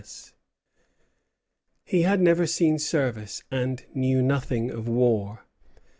He had never seen service, and knew nothing of war.